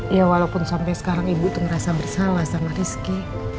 ya walaupun sampai sekarang ibu itu merasa bersalah sama rizky